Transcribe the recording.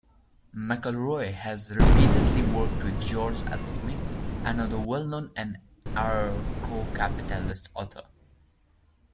McElroy has repeatedly worked with George H. Smith, another well-known anarcho-capitalist author.